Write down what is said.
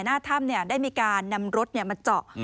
หน้าถ้ำเนี่ยได้มีการนำรถเนี่ยมาเจาะ